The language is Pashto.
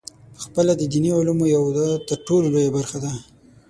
پخپله د دیني علومو یوه ترټولو لویه برخه ده.